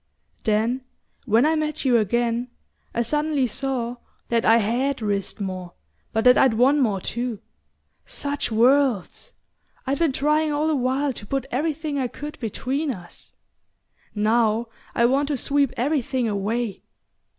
Then, when I met you again, I suddenly saw that I HAD risked more, but that I'd won more, too such worlds! I'd been trying all the while to put everything I could between us; now I want to sweep everything away.